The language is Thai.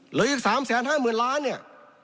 เหลืออีก๓แสนห้าหมื่นล้านเนี่ย